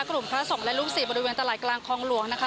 พระสงฆ์และลูกศิษย์บริเวณตลาดกลางคลองหลวงนะคะ